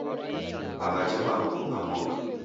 Aghaje marughu ghawurwa